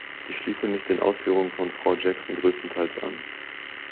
Ich schließe mich den Ausführungen von Frau Jackson größtenteils an.